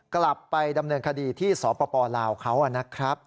กลับไปดำเนินคดีที่สปลาวเขานะครับ